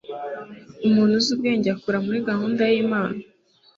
Umuntu uzi ubwenge akora muri gahunda yImana